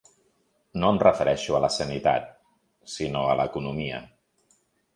No em refereixo a la sanitat, sinó a l’economia.